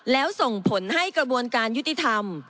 แล้วส่งผลให้กระบวนการยุติธรรม